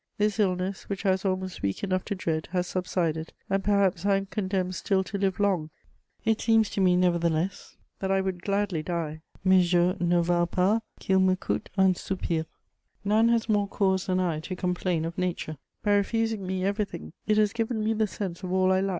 This illness, which I was almost weak enough to dread, has subsided, and perhaps I am condemned still to live long; it seems to me, nevertheless, that I would gladly die: Mes jours ne valent pas qu'il m'en coûte un soupir. "None has more cause than I to complain of nature: by refusing me everything, it has given me the sense of all I lack.